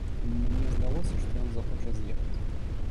Мне здалося, што ён захоча з'ехаць.